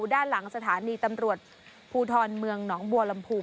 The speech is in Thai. ด้านหลังสถานีตำรวจภูทรเมืองหนองบัวลำพู